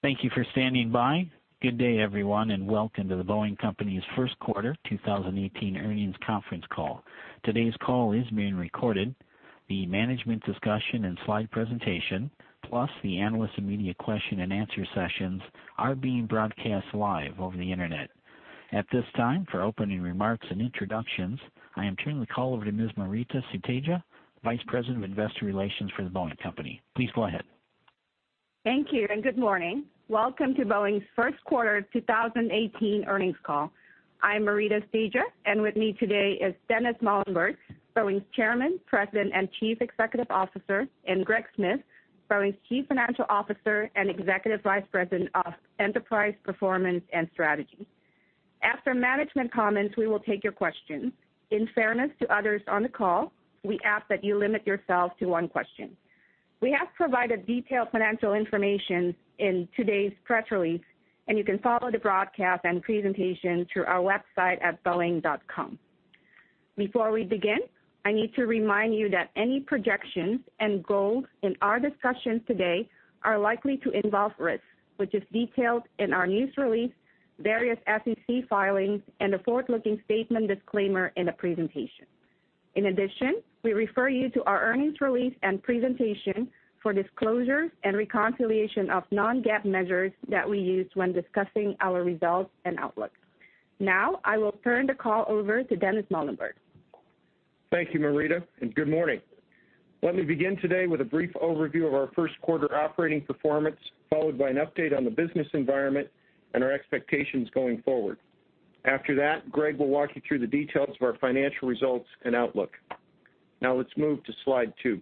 Thank you for standing by. Good day, everyone, and welcome to The Boeing Company's first quarter 2018 earnings conference call. Today's call is being recorded. The management discussion and slide presentation, plus the analyst and media question and answer sessions are being broadcast live over the internet. At this time, for opening remarks and introductions, I am turning the call over to Ms. Maurita Sutedja, Vice President of Investor Relations for The Boeing Company. Please go ahead. Thank you. Good morning. Welcome to Boeing's first quarter 2018 earnings call. I'm Maurita Sutedja, and with me today is Dennis Muilenburg, Boeing's Chairman, President, and Chief Executive Officer, and Greg Smith, Boeing's Chief Financial Officer and Executive Vice President of Enterprise Performance and Strategy. After management comments, we will take your questions. In fairness to others on the call, we ask that you limit yourself to one question. We have provided detailed financial information in today's press release, and you can follow the broadcast and presentation through our website at boeing.com. Before we begin, I need to remind you that any projections and goals in our discussions today are likely to involve risks, which is detailed in our news release, various SEC filings, and the forward-looking statement disclaimer in the presentation. In addition, we refer you to our earnings release and presentation for disclosures and reconciliation of non-GAAP measures that we use when discussing our results and outlook. I will turn the call over to Dennis Muilenburg. Thank you, Maurita. Good morning. Let me begin today with a brief overview of our first quarter operating performance, followed by an update on the business environment and our expectations going forward. Let's move to slide two.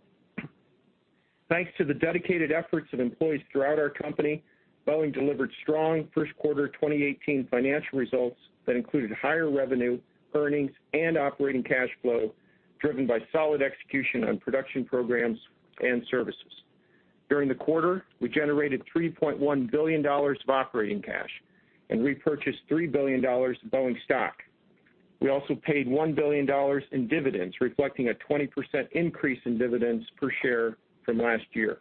Thanks to the dedicated efforts of employees throughout our company, Bo'eing delivered strong first quarter 2018 financial results that included higher revenue, earnings, and operating cash flow, driven by solid execution on production programs and services. During the quarter, we generated $3.1 billion of operating cash and repurchased $3 billion of Boeing stock. We also paid $1 billion in dividends, reflecting a 20% increase in dividends per share from last year.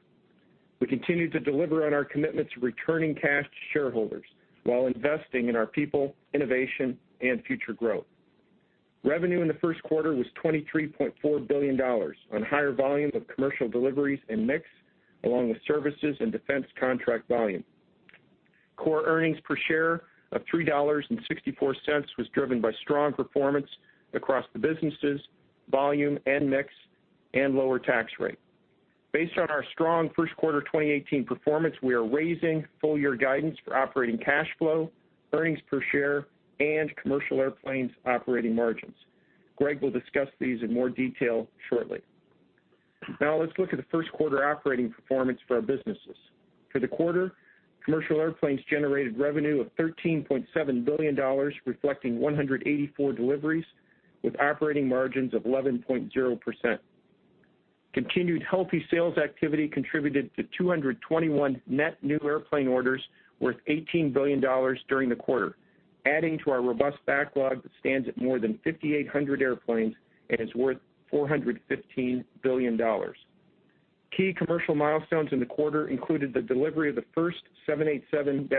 We continue to deliver on our commitment to returning cash to shareholders while investing in our people, innovation, and future growth. Revenue in the first quarter was $23.4 billion on higher volumes of commercial deliveries and mix, along with services and defense contract volume. Core earnings per share of $3.64 was driven by strong performance across the businesses, volume, and mix, and lower tax rate. Based on our strong first quarter 2018 performance, we are raising full-year guidance for operating cash flow, earnings per share, and Commercial Airplanes operating margins. Greg will discuss these in more detail shortly. Let's look at the first quarter operating performance for our businesses. For the quarter, Commercial Airplanes generated revenue of $13.7 billion, reflecting 184 deliveries with operating margins of 11.0%. Continued healthy sales activity contributed to 221 net new airplane orders worth $18 billion during the quarter, adding to our robust backlog that stands at more than 5,800 airplanes and is worth $415 billion. Key commercial milestones in the quarter included the delivery of the first 787-10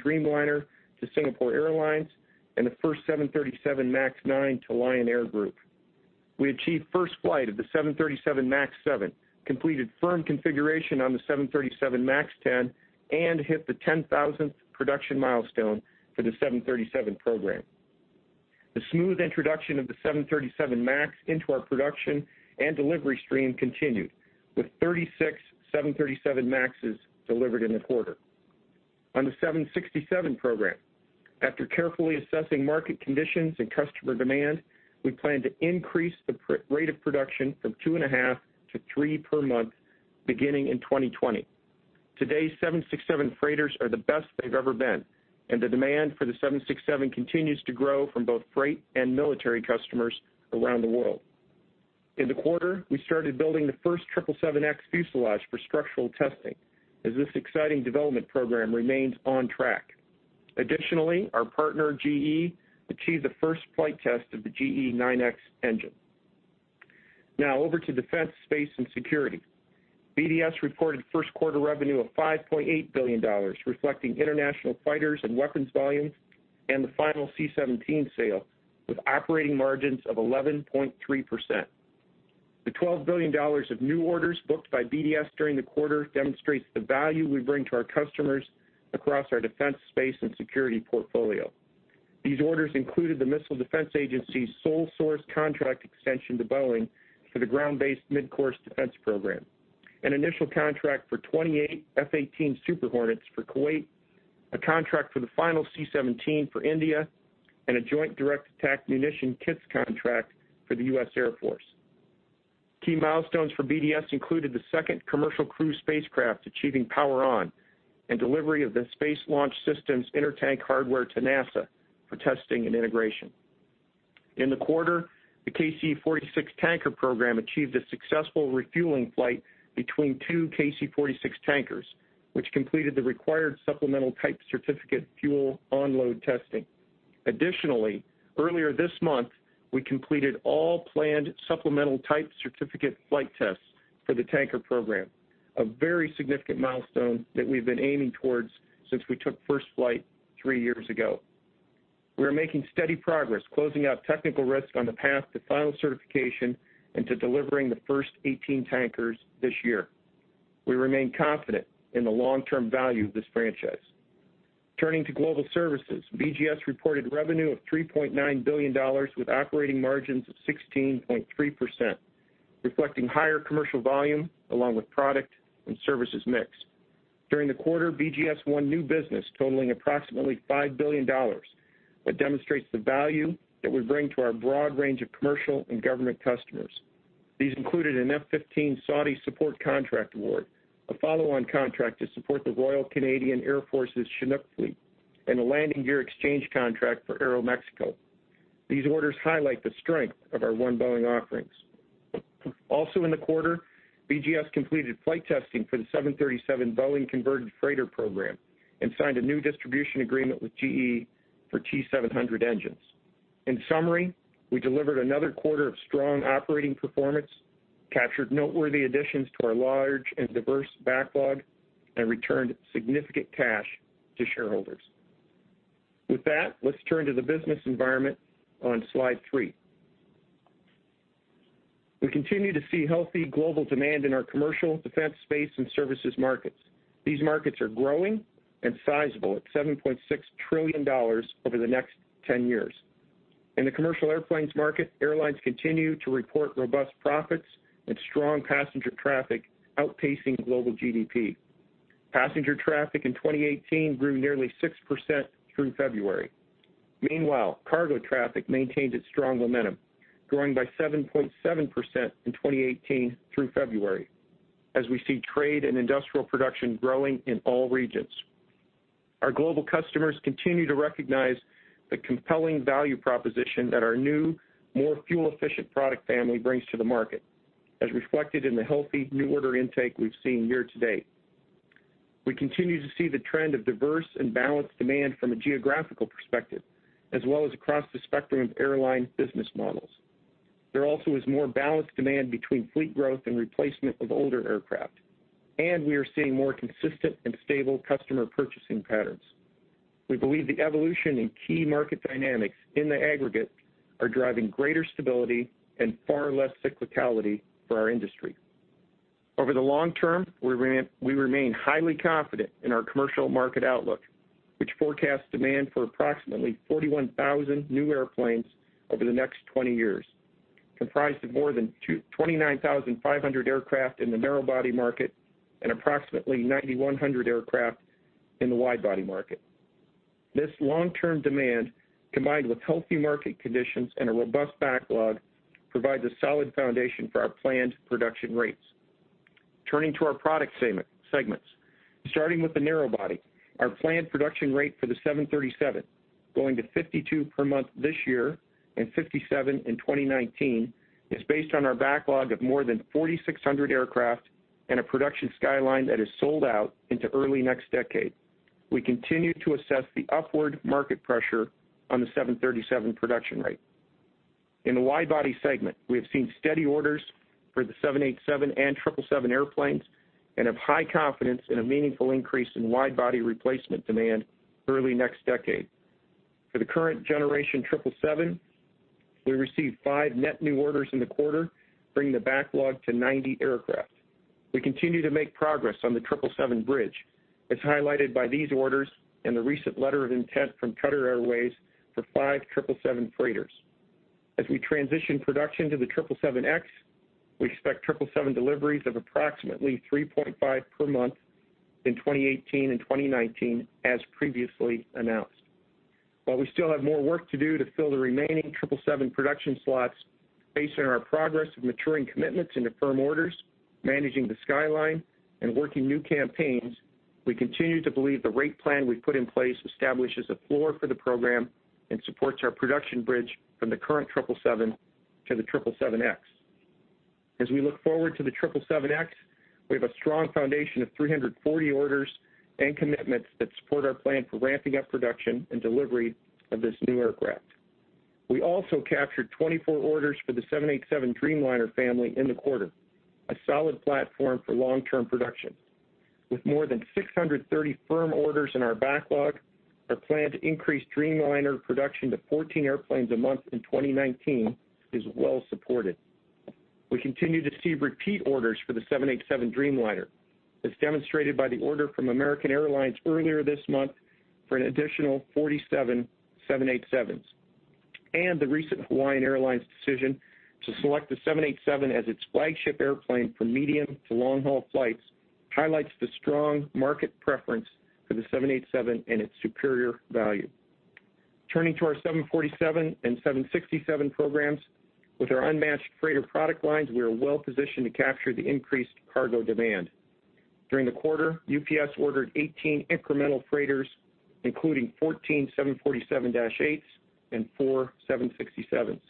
Dreamliner to Singapore Airlines and the first 737 MAX 9 to Lion Air Group. We achieved first flight of the 737 MAX 7, completed firm configuration on the 737 MAX 10, and hit the 10,000th production milestone for the 737 program. The smooth introduction of the 737 MAX into our production and delivery stream continued, with 36 737 MAXs delivered in the quarter. On the 767 program, after carefully assessing market conditions and customer demand, we plan to increase the rate of production from two and a half to three per month, beginning in 2020. Today, 767 freighters are the best they've ever been, and the demand for the 767 continues to grow from both freight and military customers around the world. In the quarter, we started building the first 777X fuselage for structural testing, as this exciting development program remains on track. Additionally, our partner, GE, achieved the first flight test of the GE9X engine. Over to Defense, Space & Security. BDS reported first quarter revenue of $5.8 billion, reflecting international fighters and weapons volumes and the final C-17 sale, with operating margins of 11.3%. The $12 billion of new orders booked by BDS during the quarter demonstrates the value we bring to our customers across our defense, space, and security portfolio. These orders included the Missile Defense Agency's sole source contract extension to Boeing for the Ground-Based Midcourse Defense program, an initial contract for 28 F-18 Super Hornets for Kuwait, a contract for the final C-17 for India, and a Joint Direct Attack Munition kits contract for the U.S. Air Force. Key milestones for BDS included the second Commercial Crew spacecraft achieving power on, and delivery of the Space Launch System's inter-tank hardware to NASA for testing and integration. In the quarter, the KC-46 tanker program achieved a successful refueling flight between two KC-46 tankers, which completed the required supplemental type certificate fuel onload testing. Earlier this month, we completed all planned supplemental type certificate flight tests for the Tanker program, a very significant milestone that we've been aiming towards since we took first flight three years ago. We are making steady progress closing out technical risk on the path to final certification and to delivering the first 18 tankers this year. We remain confident in the long-term value of this franchise. Turning to Global Services, BGS reported revenue of $3.9 billion with operating margins of 16.3%, reflecting higher commercial volume along with product and services mix. During the quarter, BGS won new business totaling approximately $5 billion. That demonstrates the value that we bring to our broad range of commercial and government customers. These included an F-15 Saudi support contract award, a follow-on contract to support the Royal Canadian Air Force's Chinook fleet, and a landing gear exchange contract for Aeroméxico. These orders highlight the strength of our One Boeing offerings. Also in the quarter, BGS completed flight testing for the 737 Boeing converted freighter program and signed a new distribution agreement with GE for T700 engines. In summary, we delivered another quarter of strong operating performance, captured noteworthy additions to our large and diverse backlog, and returned significant cash to shareholders. With that, let's turn to the business environment on slide three. We continue to see healthy global demand in our commercial, defense, space, and services markets. These markets are growing and sizable at $7.6 trillion over the next 10 years. In the commercial airplanes market, airlines continue to report robust profits and strong passenger traffic, outpacing global GDP. Passenger traffic in 2018 grew nearly 6% through February. Meanwhile, cargo traffic maintained its strong momentum, growing by 7.7% in 2018 through February, as we see trade and industrial production growing in all regions. Our global customers continue to recognize the compelling value proposition that our new, more fuel-efficient product family brings to the market, as reflected in the healthy new order intake we've seen year to date. We continue to see the trend of diverse and balanced demand from a geographical perspective, as well as across the spectrum of airline business models. There also is more balanced demand between fleet growth and replacement of older aircraft, and we are seeing more consistent and stable customer purchasing patterns. We believe the evolution in key market dynamics in the aggregate are driving greater stability and far less cyclicality for our industry. Over the long term, we remain highly confident in our commercial market outlook, which forecasts demand for approximately 41,000 new airplanes over the next 20 years, comprised of more than 29,500 aircraft in the narrow body market and approximately 9,100 aircraft in the wide body market. This long-term demand, combined with healthy market conditions and a robust backlog, provides a solid foundation for our planned production rates. Turning to our product segments. Starting with the narrow body, our planned production rate for the 737, going to 52 per month this year and 57 in 2019, is based on our backlog of more than 4,600 aircraft and a production skyline that is sold out into early next decade. We continue to assess the upward market pressure on the 737 production rate. In the wide body segment, we have seen steady orders for the 787 and 777 airplanes and have high confidence in a meaningful increase in wide body replacement demand early next decade. For the current generation 777, we received five net new orders in the quarter, bringing the backlog to 90 aircraft. We continue to make progress on the 777 bridge, as highlighted by these orders and the recent letter of intent from Qatar Airways for five 777 freighters. As we transition production to the 777X, we expect 777 deliveries of approximately 3.5 per month in 2018 and 2019, as previously announced. While we still have more work to do to fill the remaining 777 production slots, based on our progress of maturing commitments into firm orders, managing the skyline, and working new campaigns, we continue to believe the rate plan we've put in place establishes a floor for the program and supports our production bridge from the current 777 to the 777X. As we look forward to the 777X, we have a strong foundation of 340 orders and commitments that support our plan for ramping up production and delivery of this new aircraft. We also captured 24 orders for the 787 Dreamliner family in the quarter, a solid platform for long-term production. With more than 630 firm orders in our backlog, our plan to increase Dreamliner production to 14 airplanes a month in 2019 is well supported. We continue to see repeat orders for the 787 Dreamliner, as demonstrated by the order from American Airlines earlier this month for an additional 47 787s. The recent Hawaiian Airlines decision to select the 787 as its flagship airplane for medium to long-haul flights highlights the strong market preference for the 787 and its superior value. Turning to our 747 and 767 programs. With our unmatched freighter product lines, we are well positioned to capture the increased cargo demand. During the quarter, UPS ordered 18 incremental freighters, including 14 747-8s and four 767s.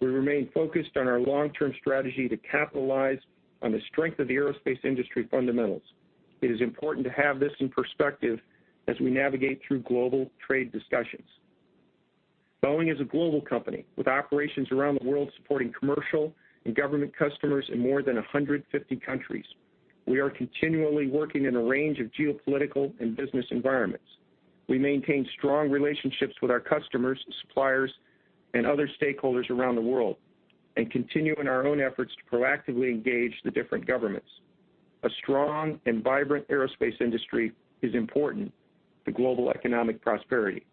We remain focused on our long-term strategy to capitalize on the strength of the aerospace industry fundamentals. It is important to have this in perspective as we navigate through global trade discussions. Boeing is a global company with operations around the world supporting commercial and government customers in more than 150 countries. We are continually working in a range of geopolitical and business environments. We maintain strong relationships with our customers, suppliers, and other stakeholders around the world, and continue in our own efforts to proactively engage the different governments. A strong and vibrant aerospace industry is important to global economic prosperity.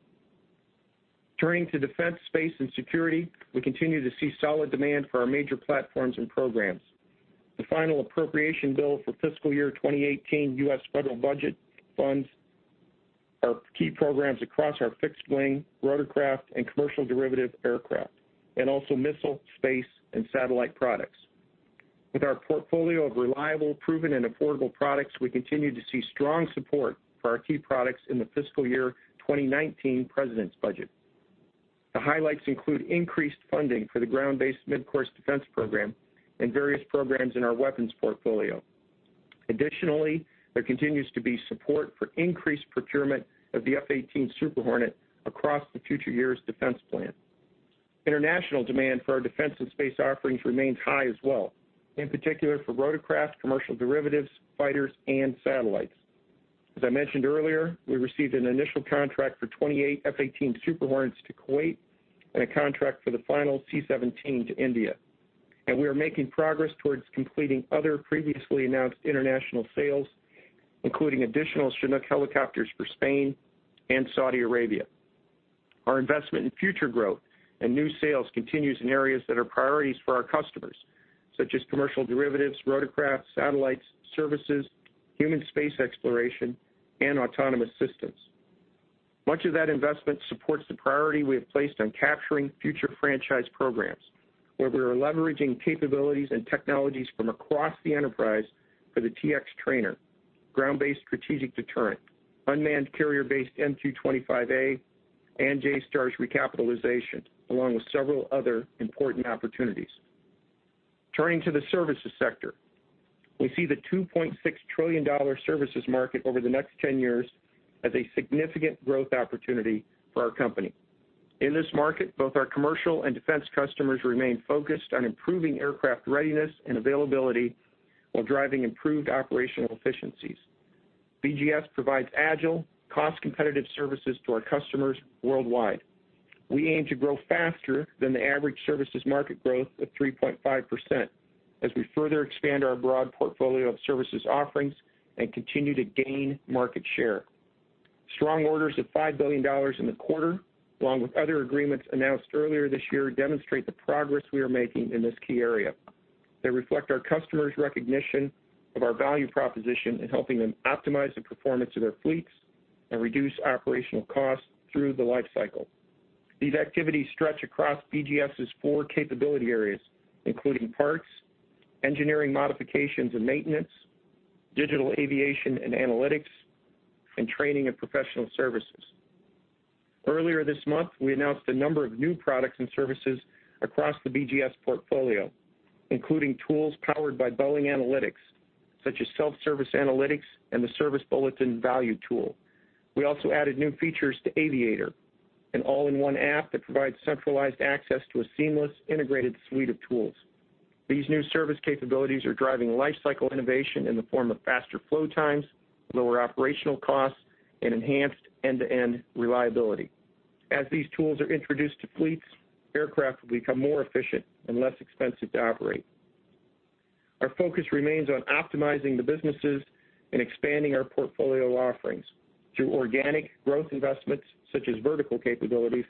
Turning to Defense, Space and Security, we continue to see solid demand for our major platforms and programs. The final appropriation bill for fiscal year 2018 U.S. federal budget funds our key programs across our fixed-wing, rotorcraft, and commercial derivative aircraft, and also missile, space, and satellite products. With our portfolio of reliable, proven, and affordable products, we continue to see strong support for our key products in the fiscal year 2019 president's budget. The highlights include increased funding for the Ground-Based Midcourse Defense program and various programs in our weapons portfolio. Additionally, there continues to be support for increased procurement of the F-18 Super Hornet across the future years' defense plan. International demand for our defense and space offerings remains high as well, in particular for rotorcraft, commercial derivatives, fighters, and satellites. As I mentioned earlier, we received an initial contract for 28 F-18 Super Hornets to Kuwait and a contract for the final C-17 to India. We are making progress towards completing other previously announced international sales, including additional Chinook helicopters for Spain and Saudi Arabia. Our investment in future growth and new sales continues in areas that are priorities for our customers, such as commercial derivatives, rotorcraft, satellites, services, human space exploration, and autonomous systems. Much of that investment supports the priority we have placed on capturing future franchise programs, where we are leveraging capabilities and technologies from across the enterprise for the T-X trainer, Ground-Based Strategic Deterrent, unmanned carrier-based MQ-25A, and JSTARS recapitalization, along with several other important opportunities. Turning to the services sector. We see the $2.6 trillion services market over the next 10 years as a significant growth opportunity for our company. In this market, both our commercial and defense customers remain focused on improving aircraft readiness and availability while driving improved operational efficiencies. BGS provides agile, cost-competitive services to our customers worldwide. We aim to grow faster than the average services market growth of 3.5% as we further expand our broad portfolio of services offerings and continue to gain market share. Strong orders of $5 billion in the quarter, along with other agreements announced earlier this year, demonstrate the progress we are making in this key area. They reflect our customers' recognition of our value proposition in helping them optimize the performance of their fleets and reduce operational costs through the life cycle. These activities stretch across BGS' four capability areas, including parts, engineering modifications and maintenance, digital aviation and analytics, and training and professional services. Earlier this month, we announced a number of new products and services across the BGS portfolio, including tools powered by Boeing Analytics, such as self-service analytics and the service bulletin value tool. We also added new features to Aviator, an all-in-one app that provides centralized access to a seamless, integrated suite of tools. These new service capabilities are driving life cycle innovation in the form of faster flow times, lower operational costs, and enhanced end-to-end reliability. As these tools are introduced to fleets, aircraft will become more efficient and less expensive to operate. Our focus remains on optimizing the businesses and expanding our portfolio offerings through organic growth investments such as vertical capabilities,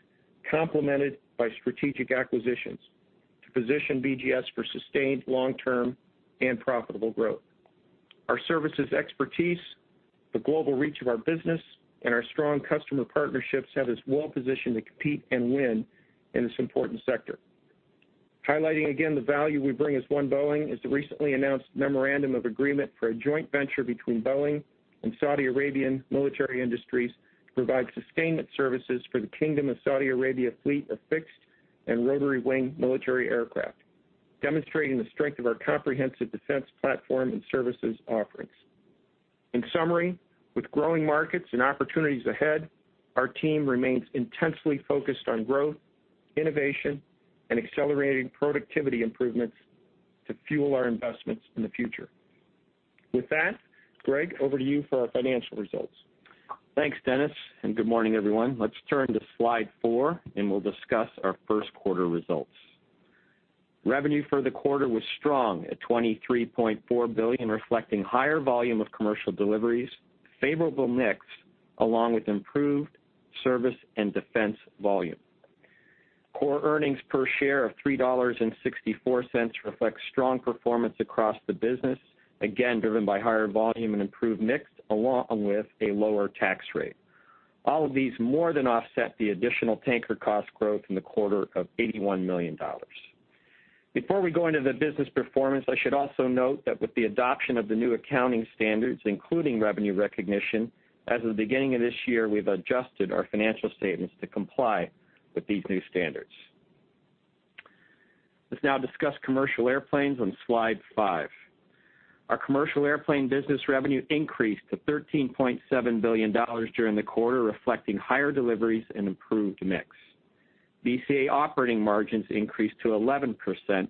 complemented by strategic acquisitions to position BGS for sustained long-term and profitable growth. Our services expertise, the global reach of our business, and our strong customer partnerships have us well-positioned to compete and win in this important sector. Highlighting again the value we bring as One Boeing is the recently announced memorandum of agreement for a joint venture between Boeing and Saudi Arabian Military Industries to provide sustainment services for the Kingdom of Saudi Arabia fleet of fixed- and rotary-wing military aircraft, demonstrating the strength of our comprehensive defense platform and services offerings. In summary, with growing markets and opportunities ahead, our team remains intensely focused on growth, innovation, and accelerating productivity improvements to fuel our investments in the future. With that, Greg, over to you for our financial results. Thanks, Dennis, good morning, everyone. Let's turn to slide four, and we'll discuss our first quarter results. Revenue for the quarter was strong at $23.4 billion, reflecting higher volume of commercial deliveries, favorable mix, along with improved service and Defense volume. Core earnings per share of $3.64 reflects strong performance across the business, again, driven by higher volume and improved mix, along with a lower tax rate. All of these more than offset the additional tanker cost growth in the quarter of $81 million. Before we go into the business performance, I should also note that with the adoption of the new accounting standards, including revenue recognition, as of the beginning of this year, we've adjusted our financial statements to comply with these new standards. Let's now discuss Commercial Airplanes on slide five. Our Commercial Airplanes business revenue increased to $13.7 billion during the quarter, reflecting higher deliveries and improved mix. BCA operating margins increased to 11%,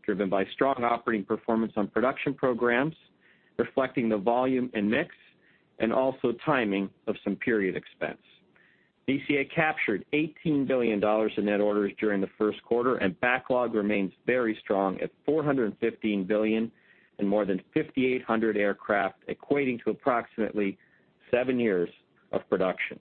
driven by strong operating performance on production programs, reflecting the volume and mix, and also timing of some period expense. BCA captured $18 billion in net orders during the first quarter, and backlog remains very strong at $415 billion and more than 5,800 aircraft, equating to approximately seven years of production.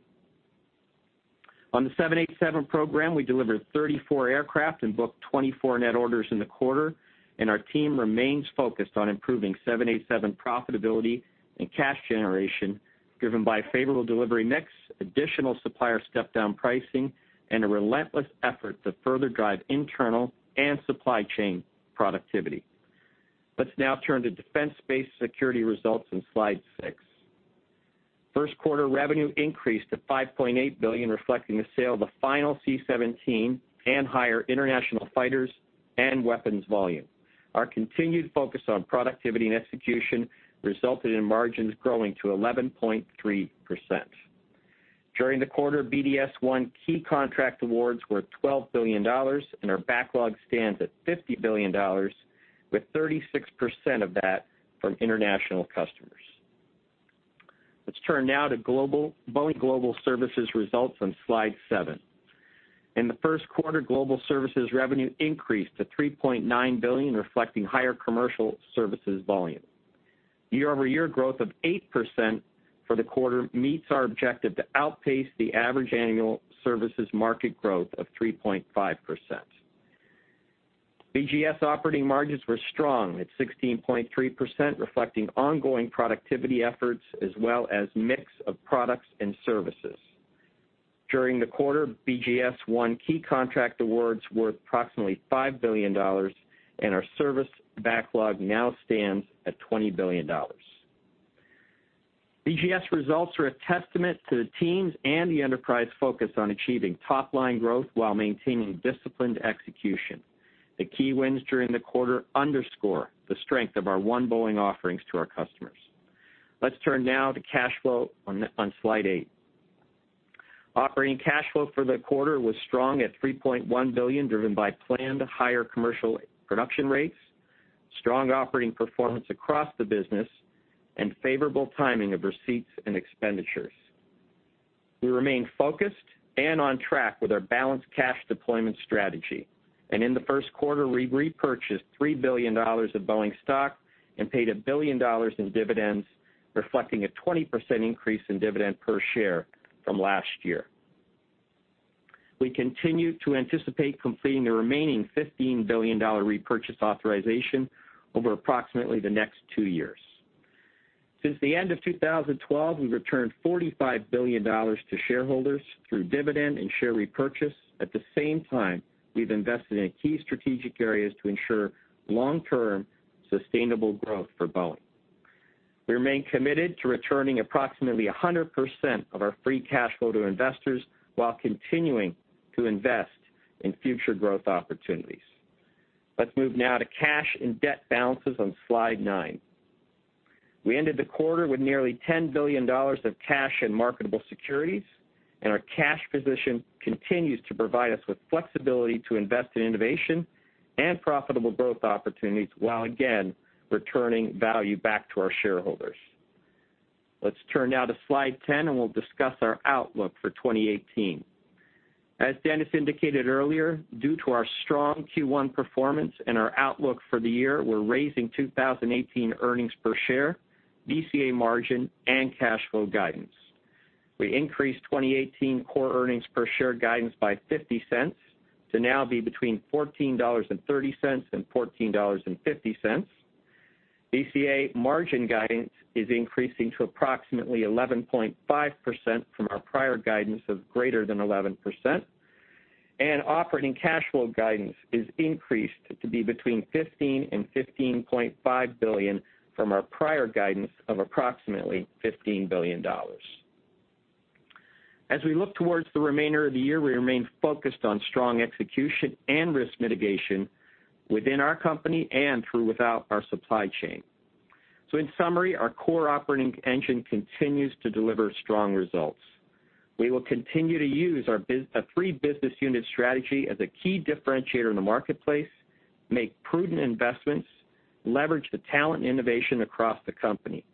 On the 787 program, we delivered 34 aircraft and booked 24 net orders in the quarter, and our team remains focused on improving 787 profitability and cash generation, driven by a favorable delivery mix, additional supplier step-down pricing, and a relentless effort to further drive internal and supply chain productivity. Let's now turn to Defense, Space & Security results on slide six. First quarter revenue increased to $5.8 billion, reflecting the sale of the final C-17 and higher international fighters and weapons volume. Our continued focus on productivity and execution resulted in margins growing to 11.3%. During the quarter, BDS won key contract awards worth $12 billion, and our backlog stands at $50 billion, with 36% of that from international customers. Let's turn now to Boeing Global Services results on slide seven. In the first quarter, Global Services revenue increased to $3.9 billion, reflecting higher commercial services volume. Year-over-year growth of 8% for the quarter meets our objective to outpace the average annual services market growth of 3.5%. BGS operating margins were strong at 16.3%, reflecting ongoing productivity efforts as well as mix of products and services. During the quarter, BGS won key contract awards worth approximately $5 billion, and our service backlog now stands at $20 billion. BGS results are a testament to the teams' and the enterprise focus on achieving top-line growth while maintaining disciplined execution. The key wins during the quarter underscore the strength of our One Boeing offerings to our customers. Let's turn now to cash flow on slide eight. Operating cash flow for the quarter was strong at $3.1 billion, driven by planned higher commercial production rates, strong operating performance across the business, and favorable timing of receipts and expenditures. We remain focused and on track with our balanced cash deployment strategy. In the first quarter, we repurchased $3 billion of Boeing stock and paid $1 billion in dividends, reflecting a 20% increase in dividend per share from last year. We continue to anticipate completing the remaining $15 billion repurchase authorization over approximately the next two years. Since the end of 2012, we've returned $45 billion to shareholders through dividend and share repurchase. At the same time, we've invested in key strategic areas to ensure long-term sustainable growth for Boeing. We remain committed to returning approximately 100% of our free cash flow to investors while continuing to invest in future growth opportunities. Let's move now to cash and debt balances on slide nine. We ended the quarter with nearly $10 billion of cash in marketable securities, and our cash position continues to provide us with flexibility to invest in innovation and profitable growth opportunities while, again, returning value back to our shareholders. Let's turn now to slide 10, and we'll discuss our outlook for 2018. As Dennis indicated earlier, due to our strong Q1 performance and our outlook for the year, we're raising 2018 earnings per share, BCA margin, and cash flow guidance. We increased 2018 core earnings per share guidance by $0.50 to now be between $14.30 and $14.50. BCA margin guidance is increasing to approximately 11.5% from our prior guidance of greater than 11%. Operating cash flow guidance is increased to be between $15 billion and $15.5 billion from our prior guidance of approximately $15 billion. As we look towards the remainder of the year, we remain focused on strong execution and risk mitigation within our company and throughout our supply chain. In summary, our core operating engine continues to deliver strong results. We will continue to use our three business unit strategy as a key differentiator in the marketplace, make prudent investments, leverage the talent and innovation across the company.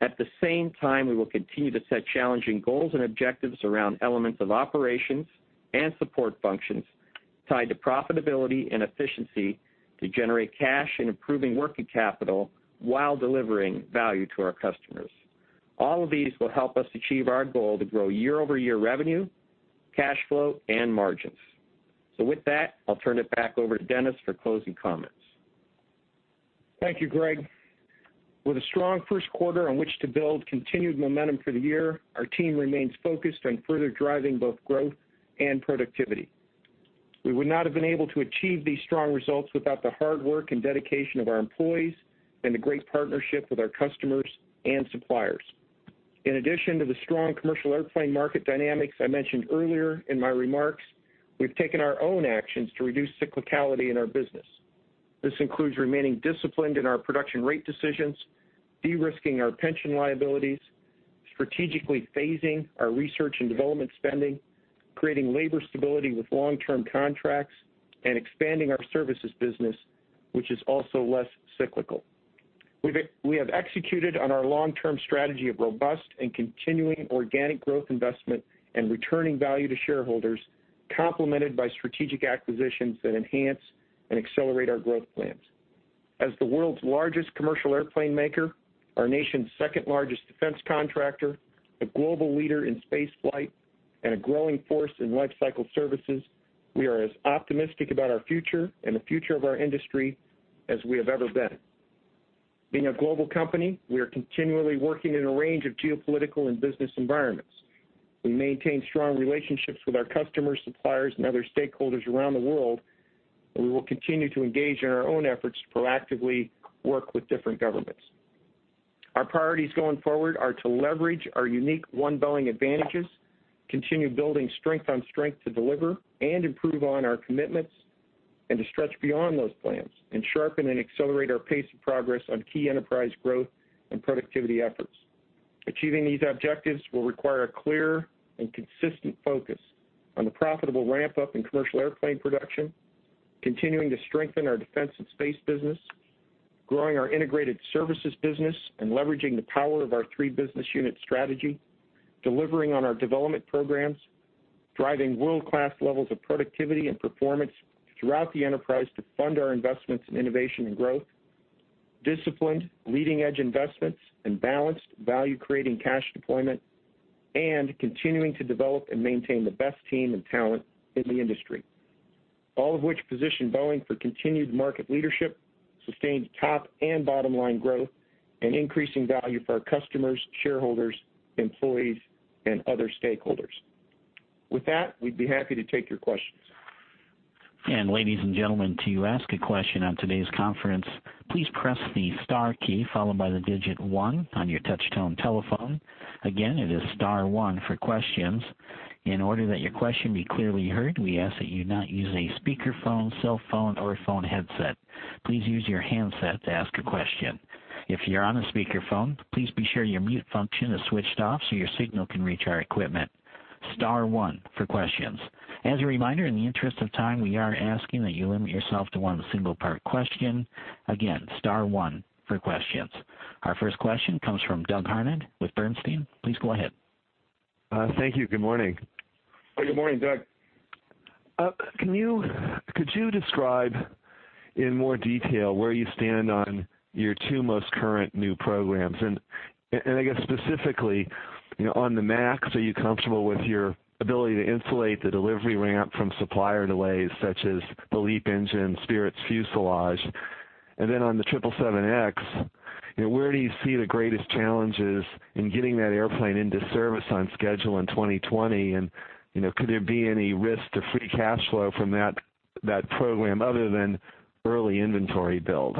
At the same time, we will continue to set challenging goals and objectives around elements of operations and support functions tied to profitability and efficiency to generate cash and improving working capital while delivering value to our customers. All of these will help us achieve our goal to grow year-over-year revenue, cash flow, and margins. With that, I'll turn it back over to Dennis for closing comments. Thank you, Greg. With a strong first quarter on which to build continued momentum for the year, our team remains focused on further driving both growth and productivity. We would not have been able to achieve these strong results without the hard work and dedication of our employees and the great partnership with our customers and suppliers. In addition to the strong commercial airplane market dynamics I mentioned earlier in my remarks, we've taken our own actions to reduce cyclicality in our business. This includes remaining disciplined in our production rate decisions, de-risking our pension liabilities, strategically phasing our research and development spending, creating labor stability with long-term contracts, and expanding our services business, which is also less cyclical. We have executed on our long-term strategy of robust and continuing organic growth investment and returning value to shareholders, complemented by strategic acquisitions that enhance and accelerate our growth plans. As the world's largest commercial airplane maker, our nation's second-largest defense contractor, a global leader in space flight, and a growing force in life cycle services, we are as optimistic about our future and the future of our industry as we have ever been. Being a global company, we are continually working in a range of geopolitical and business environments. We maintain strong relationships with our customers, suppliers, and other stakeholders around the world, and we will continue to engage in our own efforts to proactively work with different governments. Our priorities going forward are to leverage our unique One Boeing advantages, continue building strength on strength to deliver and improve on our commitments, and to stretch beyond those plans and sharpen and accelerate our pace of progress on key enterprise growth and productivity efforts. Achieving these objectives will require a clear and consistent focus on the profitable ramp-up in commercial airplane production, continuing to strengthen our defense and space business, growing our integrated services business, and leveraging the power of our three-business unit strategy, delivering on our development programs, driving world-class levels of productivity and performance throughout the enterprise to fund our investments in innovation and growth, disciplined leading-edge investments, and balanced value-creating cash deployment, and continuing to develop and maintain the best team and talent in the industry. All of which position Boeing for continued market leadership, sustained top and bottom-line growth, and increasing value for our customers, shareholders, employees, and other stakeholders. With that, we'd be happy to take your questions. Ladies and gentlemen, to ask a question on today's conference, please press the star key followed by the digit 1 on your touch-tone telephone. Again, it is star 1 for questions. In order that your question be clearly heard, we ask that you not use a speakerphone, cell phone, or a phone headset. Please use your handset to ask a question. If you're on a speakerphone, please be sure your mute function is switched off so your signal can reach our equipment. Star 1 for questions. As a reminder, in the interest of time, we are asking that you limit yourself to one single part question. Again, star 1 for questions. Our first question comes from Douglas Harned with Bernstein. Please go ahead. Thank you. Good morning. Good morning, Doug. Could you describe in more detail where you stand on your two most current new programs? I guess specifically, on the MAX, are you comfortable with your ability to insulate the delivery ramp from supplier delays such as the LEAP engine, Spirit's fuselage? Then on the 777X, where do you see the greatest challenges in getting that airplane into service on schedule in 2020, and could there be any risk to free cash flow from that program other than early inventory build?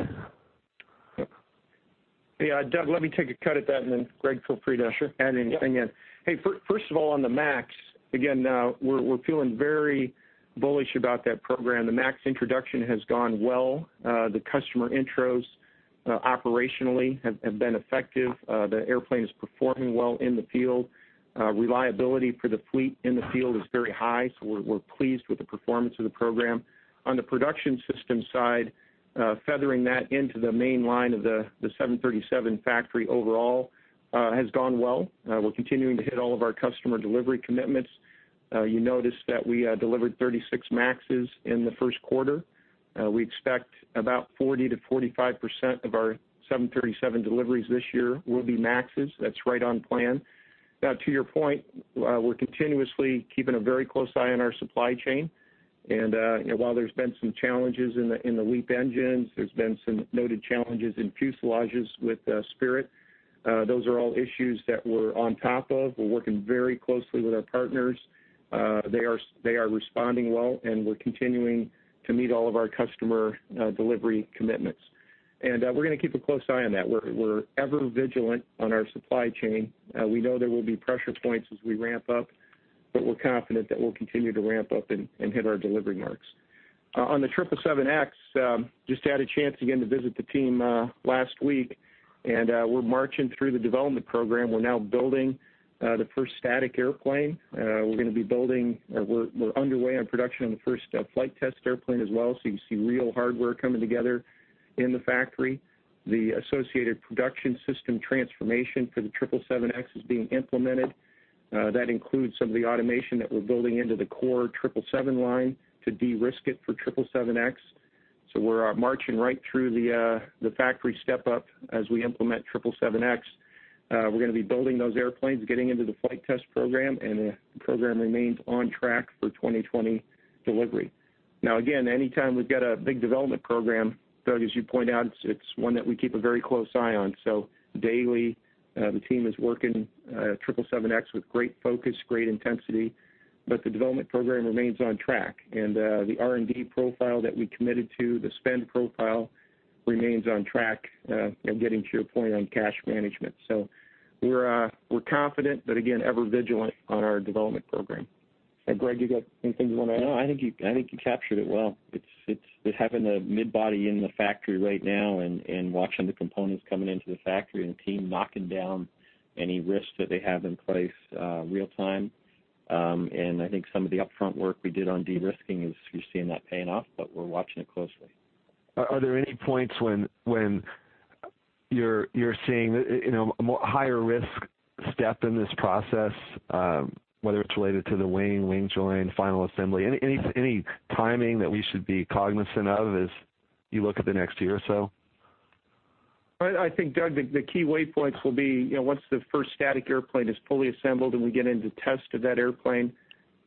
Yeah, Doug, let me take a cut at that. Then Greg, feel free to. Sure add anything in. Hey, first of all, on the MAX, again, we're feeling very bullish about that program. The MAX introduction has gone well. The customer intros operationally have been effective. The airplane is performing well in the field. Reliability for the fleet in the field is very high, so we're pleased with the performance of the program. On the production system side, feathering that into the main line of the 737 factory overall has gone well. We're continuing to hit all of our customer delivery commitments. You notice that we delivered 36 MAXs in the first quarter. We expect about 40%-45% of our 737 deliveries this year will be MAXs. That's right on plan. To your point, we're continuously keeping a very close eye on our supply chain. While there's been some challenges in the LEAP engines, there's been some noted challenges in fuselages with Spirit. Those are all issues that we're on top of. We're working very closely with our partners. They are responding well, and we're continuing to meet all of our customer delivery commitments. We're going to keep a close eye on that. We're ever vigilant on our supply chain. We know there will be pressure points as we ramp up, but we're confident that we'll continue to ramp up and hit our delivery marks. On the 777X, just had a chance again to visit the team last week, we're marching through the development program. We're now building the first static airplane. We're underway on production on the first flight test airplane as well, so you see real hardware coming together in the factory. The associated production system transformation for the 777X is being implemented. That includes some of the automation that we're building into the core 777 line to de-risk it for 777X. We're marching right through the factory step-up as we implement 777X. We're going to be building those airplanes, getting into the flight test program, and the program remains on track for 2020 delivery. Again, anytime we've got a big development program, Doug, as you point out, it's one that we keep a very close eye on. Daily, the team is working 777X with great focus, great intensity, but the development program remains on track. The R&D profile that we committed to, the spend profile, remains on track, getting to your point on cash management. We're confident, but again, ever vigilant on our development program. Greg, you got anything you want to add? No, I think you captured it well. It's having a mid-body in the factory right now and watching the components coming into the factory and the team knocking down any risks that they have in place real-time. I think some of the upfront work we did on de-risking is, you're seeing that paying off, but we're watching it closely. Are there any points when you're seeing a higher risk step in this process, whether it's related to the wing join, final assembly? Any timing that we should be cognizant of as you look at the next year or so? I think, Doug, the key waypoints will be, once the first static airplane is fully assembled and we get into test of that airplane,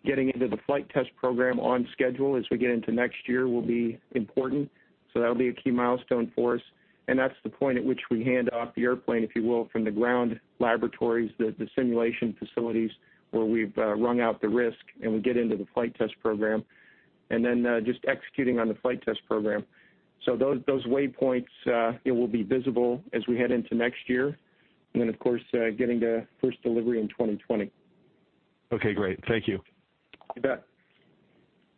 getting into the flight test program on schedule as we get into next year will be important. That'll be a key milestone for us. That's the point at which we hand off the airplane, if you will, from the ground laboratories, the simulation facilities where we've wrung out the risk, and we get into the flight test program. Just executing on the flight test program. Those waypoints will be visible as we head into next year. Of course, getting to first delivery in 2020. Okay, great. Thank you. You bet.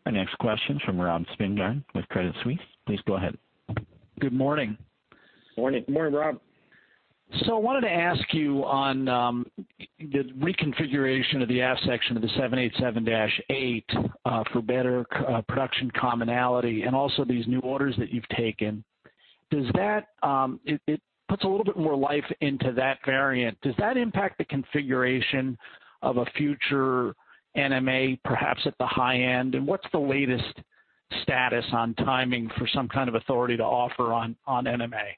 Our next question from Robert Stallard with Credit Suisse. Please go ahead. Good morning. Morning. Morning, Rob. I wanted to ask you on the reconfiguration of the aft section of the 787-8 for better production commonality and also these new orders that you've taken. It puts a little bit more life into that variant. Does that impact the configuration of a future NMA, perhaps at the high end? What's the latest status on timing for some kind of authority to offer on NMA?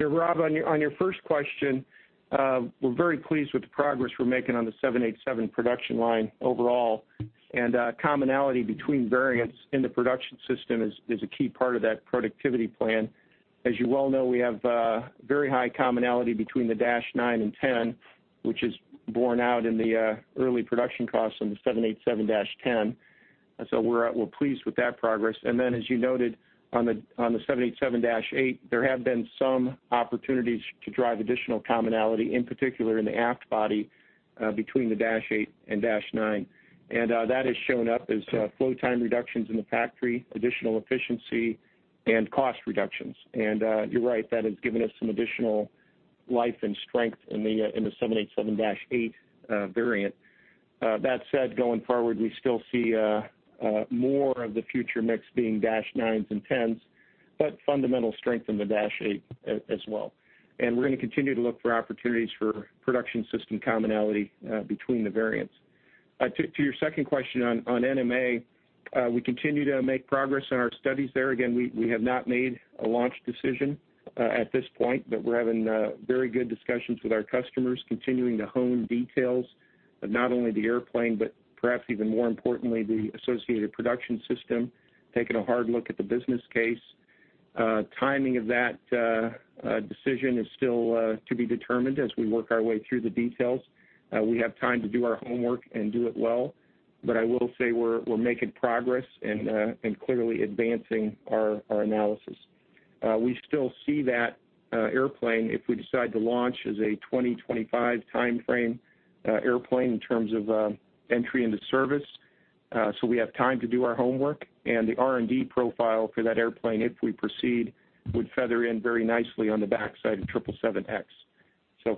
Rob, on your first question, we're very pleased with the progress we're making on the 787 production line overall. Commonality between variants in the production system is a key part of that productivity plan. As you well know, we have very high commonality between the -9 and 10, which is borne out in the early production costs on the 787-10. We're pleased with that progress. As you noted on the 787-8, there have been some opportunities to drive additional commonality, in particular in the aft body between the -8 and -9. That has shown up as flow time reductions in the factory, additional efficiency, and cost reductions. You're right, that has given us some additional life and strength in the 787-8 variant. That said, going forward, we still see more of the future mix being -9s and 10s, but fundamental strength in the -8 as well. We're going to continue to look for opportunities for production system commonality between the variants. To your second question on NMA, we continue to make progress in our studies there. Again, we have not made a launch decision at this point, but we're having very good discussions with our customers, continuing to hone details of not only the airplane, but perhaps even more importantly, the associated production system, taking a hard look at the business case. Timing of that decision is still to be determined as we work our way through the details. We have time to do our homework and do it well. I will say we're making progress and clearly advancing our analysis. We still see that airplane, if we decide to launch, as a 2025 timeframe airplane in terms of entry into service. We have time to do our homework, and the R&D profile for that airplane, if we proceed, would feather in very nicely on the backside of 777X.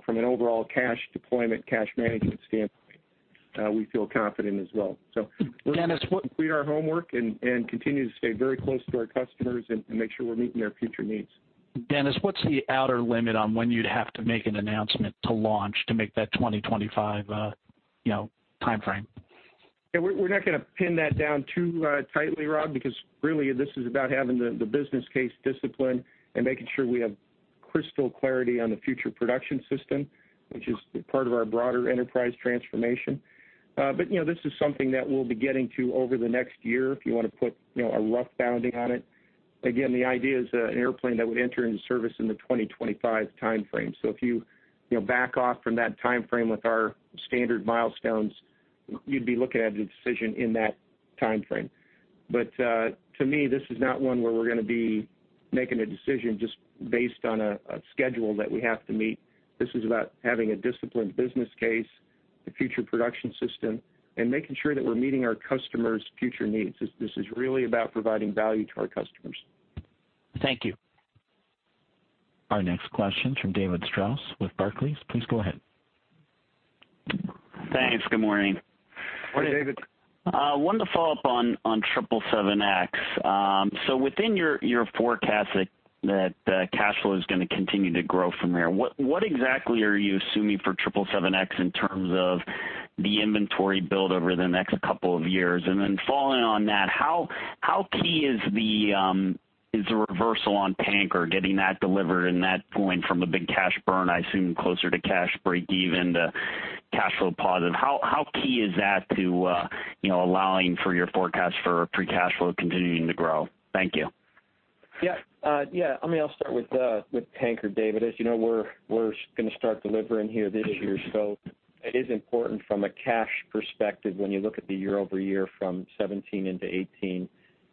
From an overall cash deployment, cash management standpoint, we feel confident as well. Dennis, what We'll complete our homework and continue to stay very close to our customers and make sure we're meeting their future needs. Dennis, what's the outer limit on when you'd have to make an announcement to launch to make that 2025 timeframe? Yeah, we're not going to pin that down too tightly, Rob, because really this is about having the business case discipline and making sure we have crystal clarity on the future production system, which is part of our broader enterprise transformation. This is something that we'll be getting to over the next year if you want to put a rough bounding on it. Again, the idea is an airplane that would enter into service in the 2025 timeframe. If you back off from that timeframe with our standard milestones, you'd be looking at a decision in that timeframe. To me, this is not one where we're going to be making a decision just based on a schedule that we have to meet. This is about having a disciplined business case, the future production system, and making sure that we're meeting our customers' future needs. This is really about providing value to our customers. Thank you. Our next question from David Strauss with Barclays. Please go ahead. Thanks. Good morning. Morning, David. Wanted to follow up on 777X. Within your forecast that cash flow is going to continue to grow from there, what exactly are you assuming for 777X in terms of the inventory build over the next couple of years. Following on that, how key is the reversal on tanker getting that delivered and that point from a big cash burn, I assume closer to cash break-even to cash flow-positive? How key is that to allowing for your forecast for free cash flow continuing to grow? Thank you. I'll start with tanker, David. As you know, we're going to start delivering here this year. It is important from a cash perspective when you look at the year-over-year from 2017 into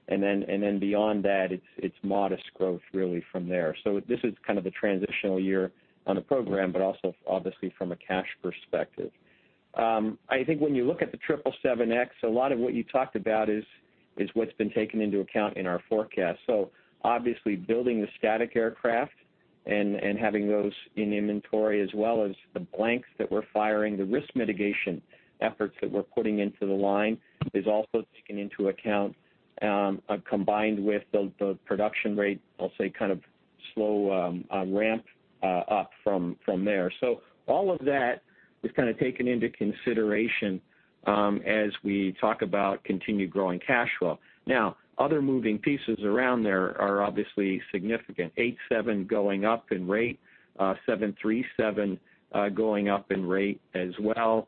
2018. Beyond that, it's modest growth really from there. This is kind of the transitional year on the program, but also obviously from a cash perspective. I think when you look at the 777X, a lot of what you talked about is what's been taken into account in our forecast. Obviously building the static aircraft and having those in inventory as well as the blanks that we're firing, the risk mitigation efforts that we're putting into the line is also taken into account, combined with the production rate, I'll say kind of slow ramp-up from there. All of that is kind of taken into consideration as we talk about continued growing cash flow. Now, other moving pieces around there are obviously significant, 787 going up in rate, 737 going up in rate as well.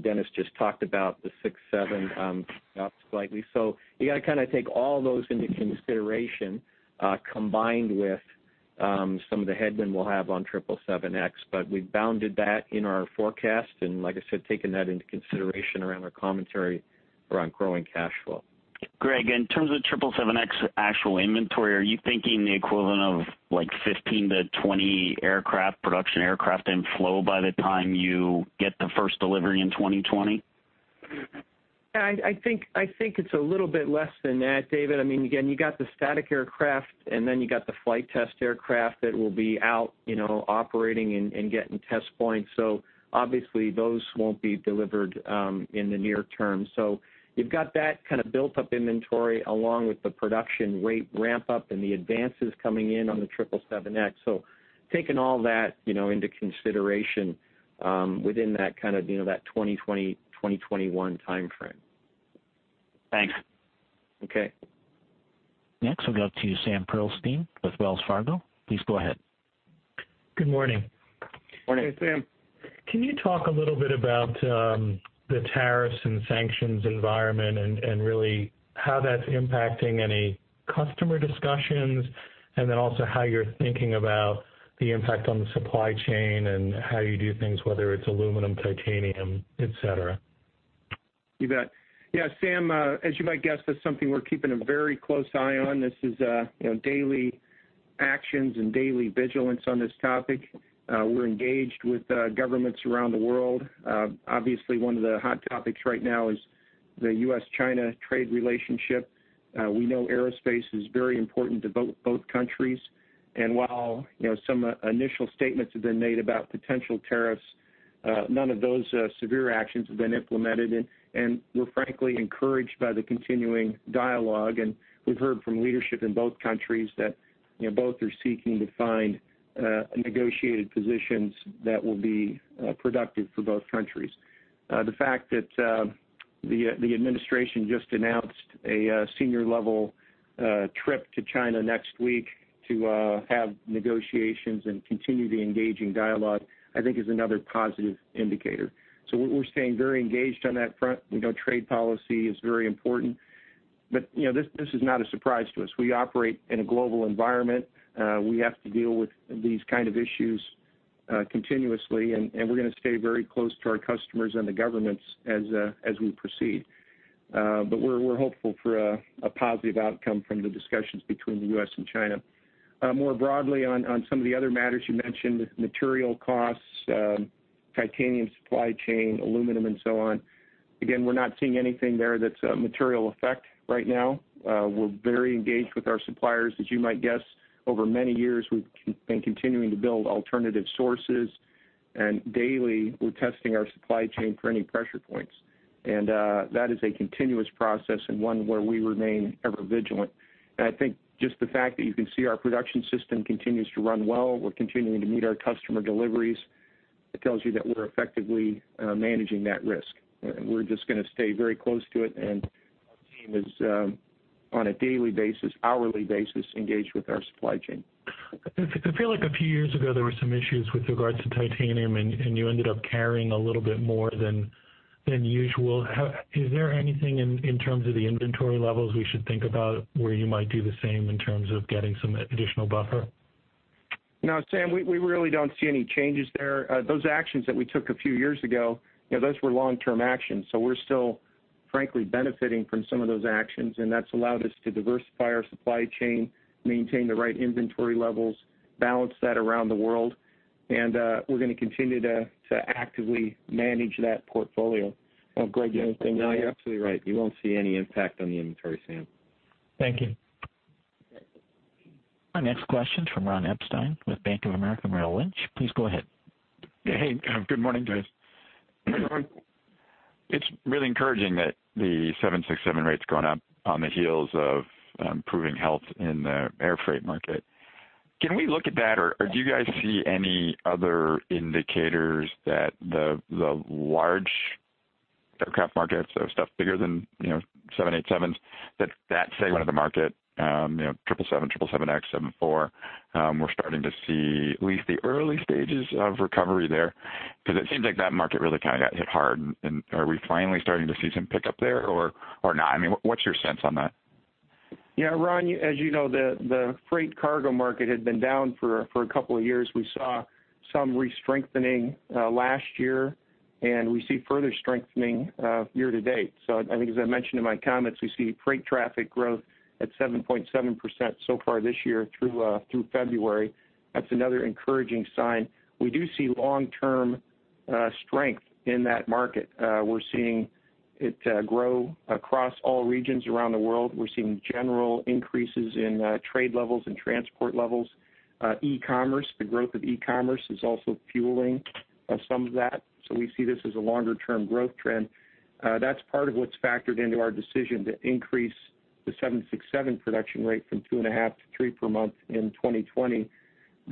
Dennis just talked about the 767 up slightly. You got to kind of take all those into consideration, combined with some of the headwind we'll have on 777X, but we've bounded that in our forecast and like I said, taken that into consideration around our commentary around growing cash flow. Greg, in terms of 777X actual inventory, are you thinking the equivalent of 15-20 production aircraft in flow by the time you get the first delivery in 2020? I think it's a little bit less than that, David. Again, you got the static aircraft and then you got the flight test aircraft that will be out operating and getting test points. Obviously those won't be delivered in the near term. You've got that kind of built up inventory along with the production rate ramp up and the advances coming in on the 777X. Taking all that into consideration within that kind of 2020, 2021 timeframe. Thanks. Okay. Next we'll go to Sam Pearlstein with Wells Fargo. Please go ahead. Good morning. Morning, Sam. Can you talk a little bit about the tariffs and sanctions environment and really how that's impacting any customer discussions, and then also how you're thinking about the impact on the supply chain and how you do things, whether it's aluminum, titanium, et cetera? You bet. Sam, as you might guess, that's something we're keeping a very close eye on. This is daily actions and daily vigilance on this topic. We're engaged with governments around the world. Obviously one of the hot topics right now is the U.S.-China trade relationship. We know aerospace is very important to both countries, while some initial statements have been made about potential tariffs, none of those severe actions have been implemented, we're frankly encouraged by the continuing dialogue, we've heard from leadership in both countries that both are seeking to find negotiated positions that will be productive for both countries. The fact that the administration just announced a senior level trip to China next week to have negotiations and continue the engaging dialogue, I think is another positive indicator. We're staying very engaged on that front. We know trade policy is very important, this is not a surprise to us. We operate in a global environment. We have to deal with these kind of issues continuously, we're going to stay very close to our customers and the governments as we proceed. We're hopeful for a positive outcome from the discussions between the U.S. and China. More broadly on some of the other matters you mentioned, material costs, titanium supply chain, aluminum and so on, again, we're not seeing anything there that's a material effect right now. We're very engaged with our suppliers. As you might guess, over many years, we've been continuing to build alternative sources, daily we're testing our supply chain for any pressure points. That is a continuous process and one where we remain ever vigilant. I think just the fact that you can see our production system continues to run well, we're continuing to meet our customer deliveries, it tells you that we're effectively managing that risk. We're just going to stay very close to it and our team is, on a daily basis, hourly basis, engaged with our supply chain. I feel like a few years ago, there were some issues with regards to titanium, and you ended up carrying a little bit more than usual. Is there anything in terms of the inventory levels we should think about where you might do the same in terms of getting some additional buffer? No, Sam, we really don't see any changes there. Those actions that we took a few years ago, those were long-term actions. We're still frankly benefiting from some of those actions, and that's allowed us to diversify our supply chain, maintain the right inventory levels, balance that around the world, and we're going to continue to actively manage that portfolio. Greg, can I just say one thing? No, you're absolutely right. You won't see any impact on the inventory, Sam. Thank you. Our next question from Ronald Epstein with Bank of America Merrill Lynch. Please go ahead. Hey. Good morning, guys. Good morning. It's really encouraging that the 767 rate's going up on the heels of improving health in the air freight market. Can we look at that or do you guys see any other indicators that the large aircraft markets, so stuff bigger than 787s, that segment of the market, 777, 777X, 747, we're starting to see at least the early stages of recovery there? It seems like that market really kind of got hit hard, are we finally starting to see some pickup there or not? What's your sense on that? Yeah, Ron, as you know, the freight cargo market had been down for a couple of years. We saw some re-strengthening last year, we see further strengthening year to date. I think as I mentioned in my comments, we see freight traffic growth at 7.7% so far this year through February. That's another encouraging sign. We do see long-term strength in that market. We're seeing it grow across all regions around the world. We're seeing general increases in trade levels and transport levels. E-commerce, the growth of e-commerce is also fueling some of that. We see this as a longer-term growth trend. That's part of what's factored into our decision to increase the 767 production rate from two and a half to three per month in 2020.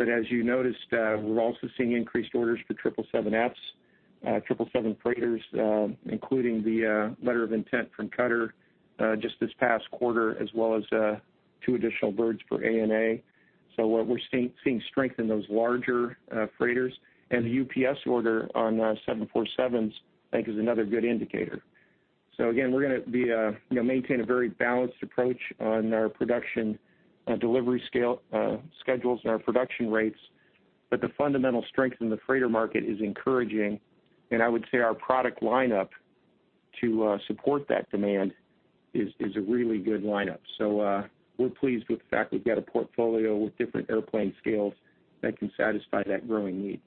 As you noticed, we're also seeing increased orders for 777Fs, 777 freighters, including the letter of intent from Qatar just this past quarter, as well as two additional birds for ANA. What we're seeing strength in those larger freighters and the UPS order on 747s, I think is another good indicator. Again, we're going to maintain a very balanced approach on our production delivery schedules and our production rates. The fundamental strength in the freighter market is encouraging. I would say our product lineup to support that demand is a really good lineup. We're pleased with the fact we've got a portfolio with different airplane scales that can satisfy that growing need.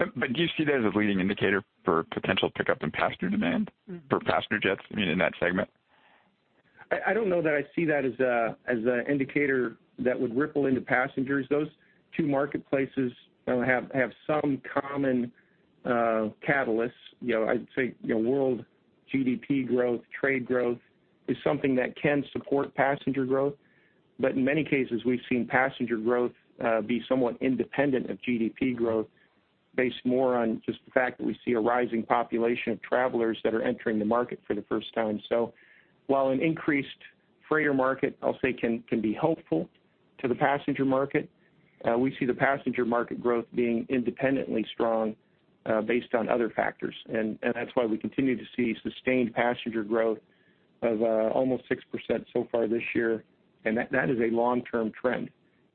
Do you see that as a leading indicator for potential pickup in passenger demand for passenger jets in that segment? I don't know that I see that as an indicator that would ripple into passengers. Those two marketplaces have some common catalysts. I'd say world GDP growth, trade growth is something that can support passenger growth. In many cases, we've seen passenger growth be somewhat independent of GDP growth based more on just the fact that we see a rising population of travelers that are entering the market for the first time. While an increased freighter market, I'll say can be helpful to the passenger market, we see the passenger market growth being independently strong based on other factors. That's why we continue to see sustained passenger growth of almost 6% so far this year. That is a long-term trend.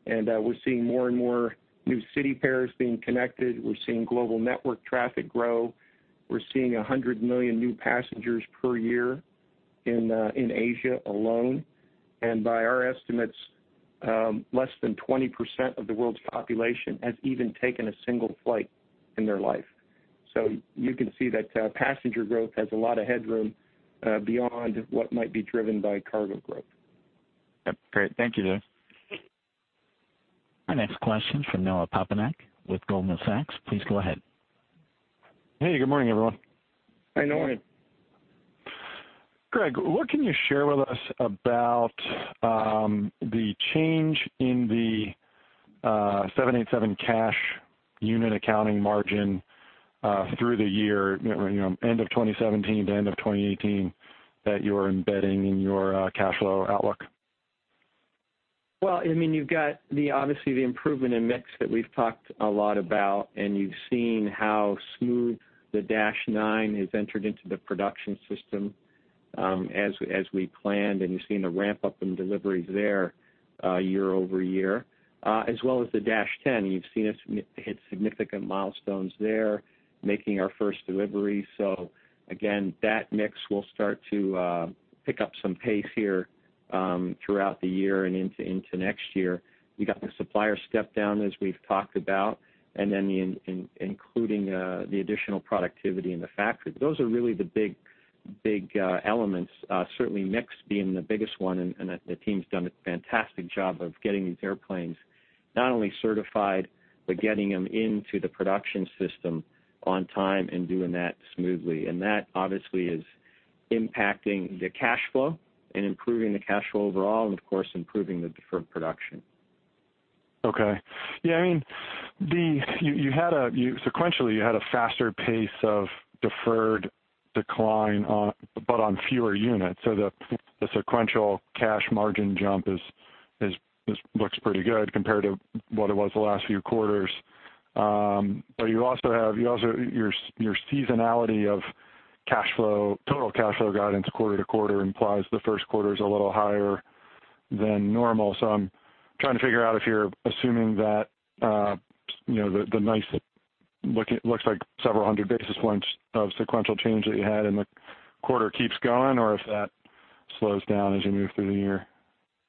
We're seeing more and more new city pairs being connected. We're seeing global network traffic grow. We're seeing 100 million new passengers per year in Asia alone. By our estimates, less than 20% of the world's population has even taken a single flight in their life. You can see that passenger growth has a lot of headroom beyond what might be driven by cargo growth. Yep. Great. Thank you, Dennis. Our next question from Noah Poponak with Goldman Sachs. Please go ahead. Hey, good morning, everyone. Hi, Noah. Greg, what can you share with us about the change in the 787 cash unit accounting margin through the year, end of 2017 to end of 2018 that you're embedding in your cash flow outlook? Well, you've got obviously the improvement in mix that we've talked a lot about, and you've seen how smooth the -9 has entered into the production system as we planned, and you've seen the ramp up in deliveries there year-over-year, as well as the -10. You've seen us hit significant milestones there, making our first delivery. Again, that mix will start to pick up some pace here throughout the year and into next year. We got the supplier step down, as we've talked about, and then including the additional productivity in the factory. Those are really the big elements, certainly mix being the biggest one, and the team's done a fantastic job of getting these airplanes not only certified, but getting them into the production system on time and doing that smoothly. That obviously is impacting the cash flow and improving the cash flow overall and of course, improving the deferred production. Okay. Yeah, sequentially, you had a faster pace of deferred decline but on fewer units. The sequential cash margin jump looks pretty good compared to what it was the last few quarters. You also have your seasonality of total cash flow guidance quarter-to-quarter implies the first quarter is a little higher than normal. I'm trying to figure out if you're assuming that the nice, looks like several hundred basis points of sequential change that you had in the quarter keeps going or if that slows down as you move through the year.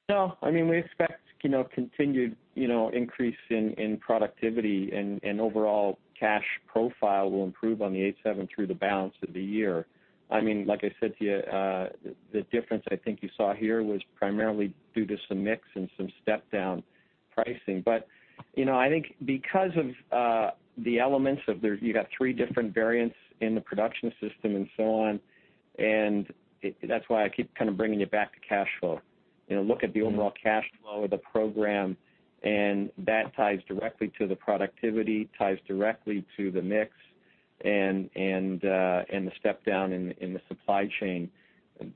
No, we expect continued increase in productivity and overall cash profile will improve on the 787 through the balance of the year. Like I said to you, the difference I think you saw here was primarily due to some mix and some step down pricing. I think because of the elements of you got three different variants in the production system and so on, that's why I keep kind of bringing it back to cash flow. Look at the overall cash flow of the program, that ties directly to the productivity, ties directly to the mix The step down in the supply chain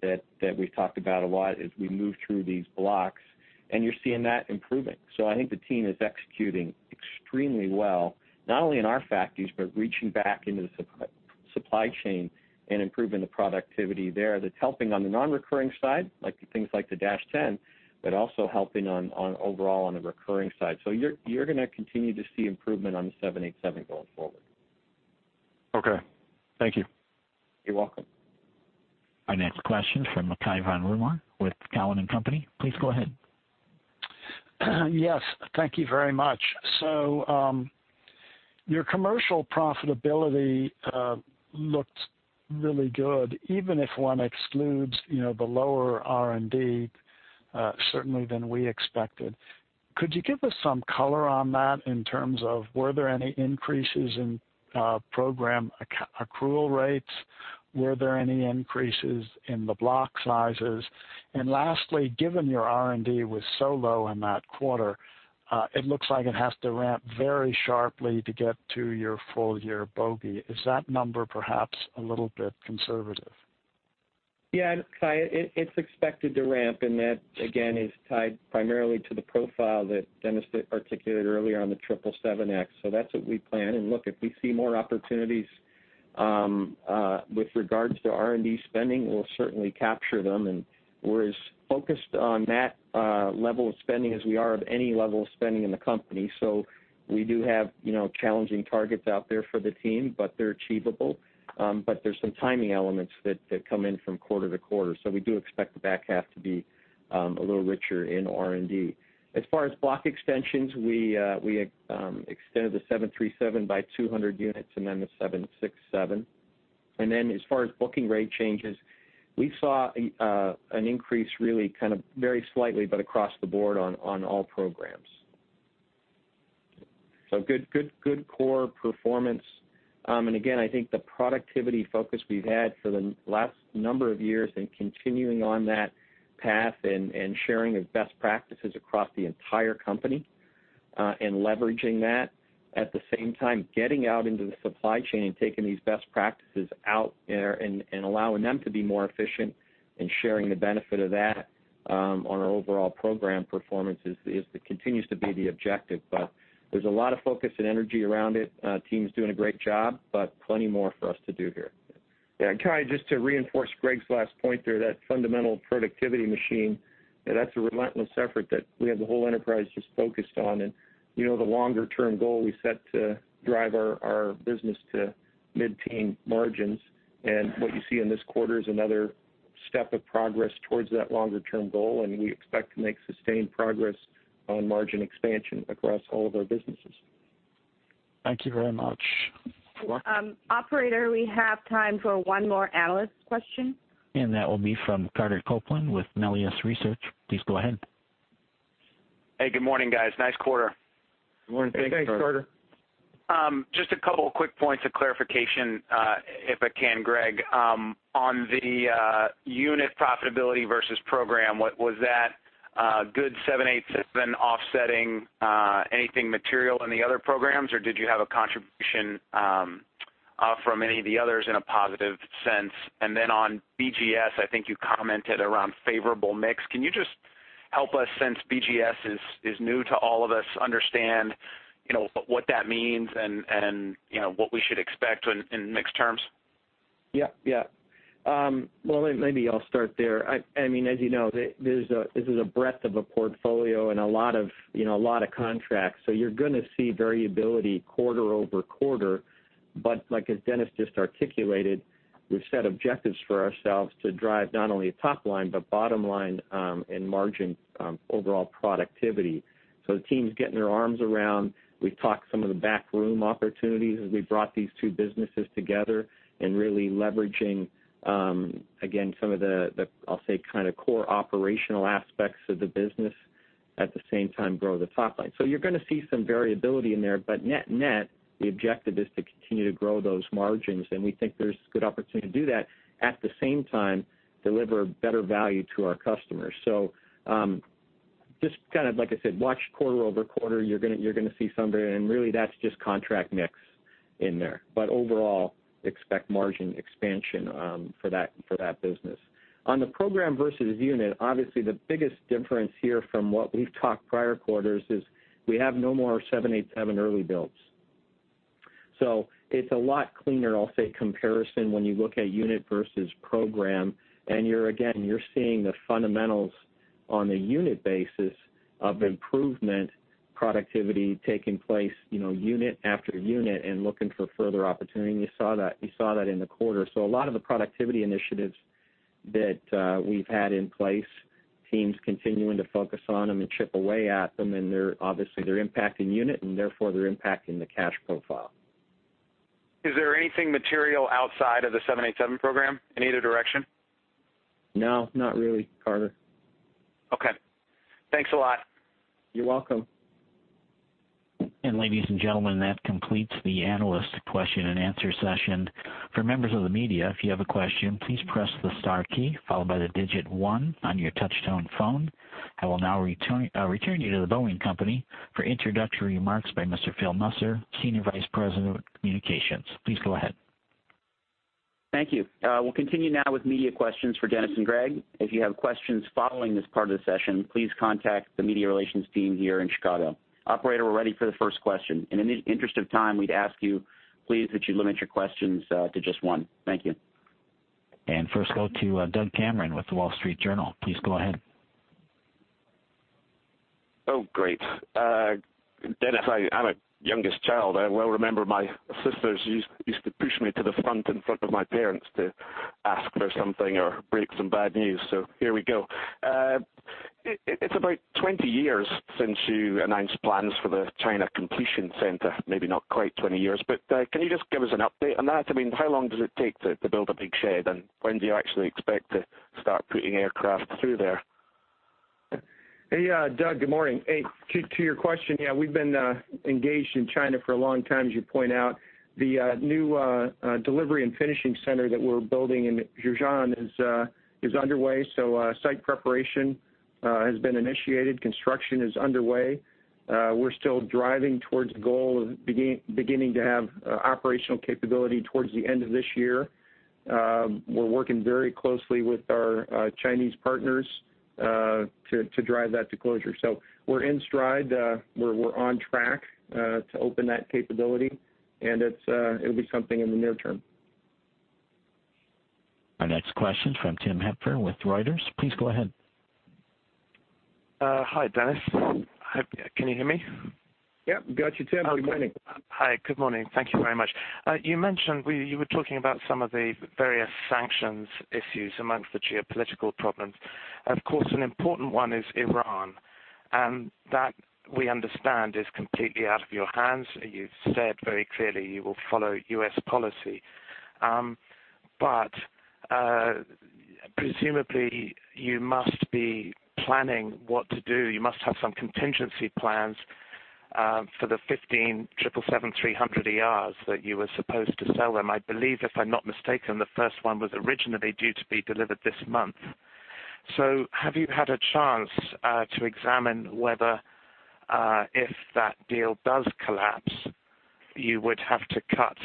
that we've talked about a lot as we move through these blocks, and you're seeing that improving. I think the team is executing extremely well, not only in our factories, but reaching back into the supply chain and improving the productivity there. That's helping on the non-recurring side, like the things like the dash 10, but also helping on overall on the recurring side. You're going to continue to see improvement on the 787 going forward. Okay. Thank you. You're welcome. Our next question from Cai von Rumohr with Cowen and Company. Please go ahead. Yes. Thank you very much. Your commercial profitability looked really good, even if one excludes the lower R&D, certainly than we expected. Could you give us some color on that in terms of were there any increases in program accrual rates? Were there any increases in the block sizes? Lastly, given your R&D was so low in that quarter, it looks like it has to ramp very sharply to get to your full year bogey. Is that number perhaps a little bit conservative? Yeah, Cai, it's expected to ramp, that, again, is tied primarily to the profile that Dennis articulated earlier on the 777X. That's what we plan. Look, if we see more opportunities with regards to R&D spending, we'll certainly capture them. We're as focused on that level of spending as we are of any level of spending in the company. We do have challenging targets out there for the team, but they're achievable. There's some timing elements that come in from quarter to quarter. We do expect the back half to be a little richer in R&D. As far as block extensions, we extended the 737 by 200 units, then the 767. As far as booking rate changes, we saw an increase really very slightly, but across the board on all programs. Good core performance. Again, I think the productivity focus we've had for the last number of years and continuing on that path and sharing of best practices across the entire company, and leveraging that. At the same time, getting out into the supply chain and taking these best practices out there and allowing them to be more efficient and sharing the benefit of that on our overall program performance continues to be the objective. There's a lot of focus and energy around it. Team's doing a great job, but plenty more for us to do here. Yeah, Cai, just to reinforce Greg's last point there, that fundamental productivity machine, that's a relentless effort that we have the whole enterprise just focused on. The longer-term goal we set to drive our business to mid-teen margins. What you see in this quarter is another step of progress towards that longer-term goal, and we expect to make sustained progress on margin expansion across all of our businesses. Thank you very much. You're welcome. Operator, we have time for one more analyst question. That will be from Carter Copeland with Melius Research. Please go ahead. Hey, good morning, guys. Nice quarter. Good morning. Thanks, Carter. Just a couple quick points of clarification, if I can, Greg. On the unit profitability versus program, was that good 787 offsetting anything material in the other programs, or did you have a contribution from any of the others in a positive sense? Then on BGS, I think you commented around favorable mix. Can you just help us, since BGS is new to all of us, understand what that means and what we should expect in mixed terms? Yeah. Well, maybe I'll start there. As you know, this is a breadth of a portfolio and a lot of contracts. You're going to see variability quarter-over-quarter, but like as Dennis just articulated, we've set objectives for ourselves to drive not only top line, but bottom line in margin overall productivity. The team's getting their arms around. We've talked some of the back room opportunities as we brought these two businesses together and really leveraging, again, some of the, I'll say, core operational aspects of the business, at the same time grow the top line. You're going to see some variability in there, but net, the objective is to continue to grow those margins, and we think there's good opportunity to do that. At the same time, deliver better value to our customers. Just like I said, watch quarter-over-quarter. You're going to see some variation, and really that's just contract mix in there. Overall, expect margin expansion for that business. On the program versus unit, obviously the biggest difference here from what we've talked prior quarters is we have no more 787 early builds. It's a lot cleaner, I'll say, comparison when you look at unit versus program, and you're, again, you're seeing the fundamentals on a unit basis of improvement, productivity taking place unit after unit and looking for further opportunity, and you saw that in the quarter. A lot of the productivity initiatives that we've had in place, teams continuing to focus on them and chip away at them, and obviously they're impacting unit and therefore they're impacting the cash profile. Is there anything material outside of the 787 program in either direction? No, not really, Carter. Okay. Thanks a lot. You're welcome. Ladies and gentlemen, that completes the analyst question and answer session. For members of the media, if you have a question, please press the star key followed by the digit 1 on your touch-tone phone. I will now return you to The Boeing Company for introductory remarks by Mr. Philip Musser, Senior Vice President of Communications. Please go ahead. Thank you. We'll continue now with media questions for Dennis and Greg. If you have questions following this part of the session, please contact the media relations team here in Chicago. Operator, we're ready for the first question. In the interest of time, we'd ask you, please, that you limit your questions to just one. Thank you. First, go to Doug Cameron with The Wall Street Journal. Please go ahead. Oh, great. Dennis, I'm a youngest child. I well remember my sisters used to push me to the front in front of my parents to ask for something or break some bad news. Here we go. It's about 20 years since you announced plans for the China Completion Center. Maybe not quite 20 years, but can you just give us an update on that? How long does it take to build a big shed, and when do you actually expect to start putting aircraft through there? Hey, Doug, good morning. To your question, yeah, we've been engaged in China for a long time, as you point out. The new delivery and finishing center that we're building in Zhoushan is underway. Site preparation has been initiated. Construction is underway. We're still driving towards a goal of beginning to have operational capability towards the end of this year. We're working very closely with our Chinese partners, to drive that to closure. We're in stride. We're on track to open that capability, and it'll be something in the near term. Our next question is from Tim Hepher with Reuters. Please go ahead. Hi, Dennis. Can you hear me? Yep. Got you, Tim. Good morning. Hi. Good morning. Thank you very much. You were talking about some of the various sanctions issues amongst the geopolitical problems. Of course, an important one is Iran, and that, we understand, is completely out of your hands. You've said very clearly you will follow U.S. policy. Presumably, you must be planning what to do. You must have some contingency plans for the 15 777-300ERs that you were supposed to sell them. I believe, if I'm not mistaken, the first one was originally due to be delivered this month. Have you had a chance to examine whether, if that deal does collapse, you would have to cut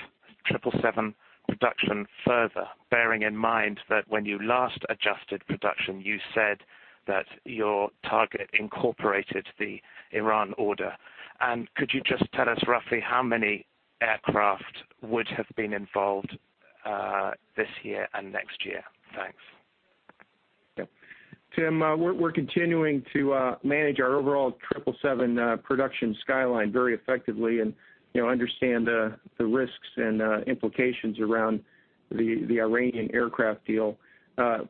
777 production further, bearing in mind that when you last adjusted production, you said that your target incorporated the Iran order. Could you just tell us roughly how many aircraft would have been involved this year and next year? Thanks. Tim, we're continuing to manage our overall 777 production skyline very effectively and understand the risks and implications around the Iranian aircraft deal.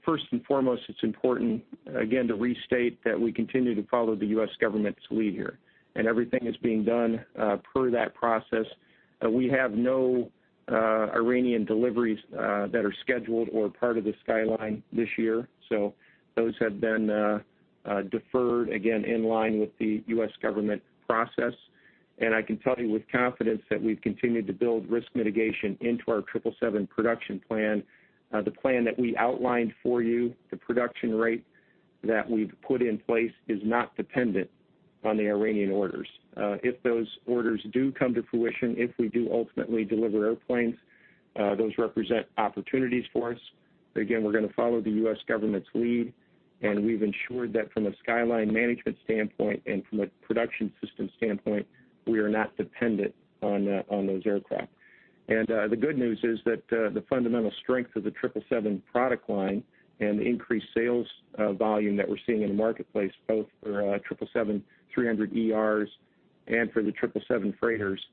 First and foremost, it's important, again, to restate that we continue to follow the U.S. government's lead here, and everything is being done per that process. We have no Iranian deliveries that are scheduled or part of the skyline this year. Those have been deferred, again, in line with the U.S. government process. I can tell you with confidence that we've continued to build risk mitigation into our 777 production plan. The plan that we outlined for you, the production rate that we've put in place, is not dependent on the Iranian orders. If those orders do come to fruition, if we do ultimately deliver airplanes, those represent opportunities for us. Again, we're going to follow the U.S. government's lead. We've ensured that from a skyline management standpoint and from a production system standpoint, we are not dependent on those aircraft. The good news is that the fundamental strength of the 777 product line and the increased sales volume that we're seeing in the marketplace, both for 777-300ERs and for the 777 freighters,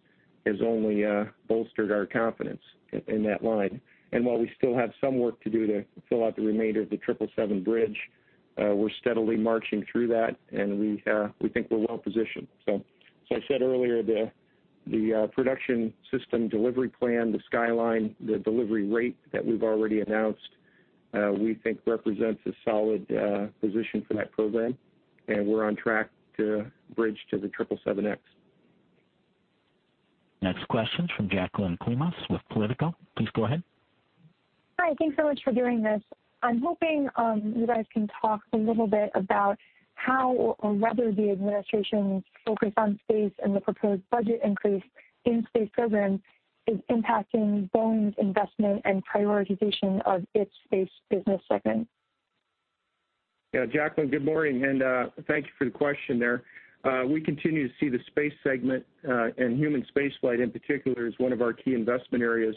has only bolstered our confidence in that line. While we still have some work to do to fill out the remainder of the 777 bridge, we're steadily marching through that, and we think we're well positioned. As I said earlier, the production system delivery plan, the skyline, the delivery rate that we've already announced, we think represents a solid position for that program, and we're on track to bridge to the 777X. Next question is from Jacqueline Koumas with Politico. Please go ahead. Hi. Thanks so much for doing this. I'm hoping you guys can talk a little bit about how or whether the administration's focus on space and the proposed budget increase in space programs is impacting Boeing's investment and prioritization of its space business segment. Yeah, Jacqueline, good morning, and thank you for the question there. We continue to see the space segment, and human space flight in particular, as one of our key investment areas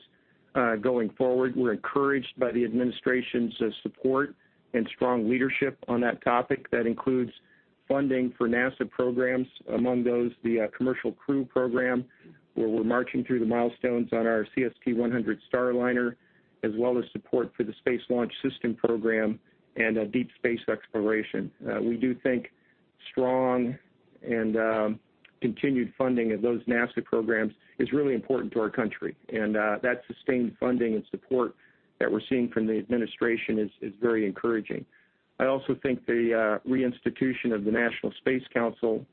going forward. We're encouraged by the administration's support and strong leadership on that topic. That includes funding for NASA programs. Among those, the Commercial Crew Program, where we're marching through the milestones on our CST-100 Starliner, as well as support for the Space Launch System program and deep space exploration. We do think strong and continued funding of those NASA programs is really important to our country, and that sustained funding and support that we're seeing from the administration is very encouraging. I also think the reinstitution of the National Space Council